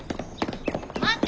待って！